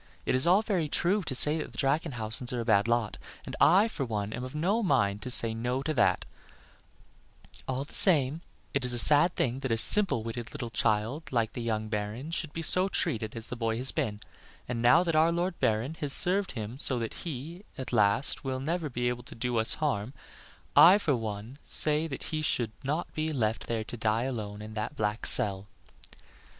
"It is all very true that the Drachenhausens are a bad lot, and I for one am of no mind to say no to that; all the same it is a sad thing that a simple witted little child like the young Baron should be so treated as the boy has been; and now that our Lord Baron has served him so that he, at least, will never be able to do us 'harm, I for one say that he should not be left there to die alone in that black cell."